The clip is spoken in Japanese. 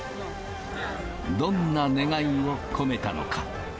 どんな願いを込めたのか。